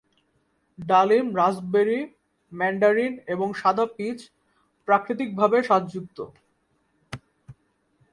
ডালিম raspberry, mandarin এবং সাদা পীচ প্রাকৃতিকভাবে স্বাদযুক্ত।